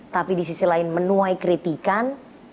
tapi di sisi lain menuai kritikan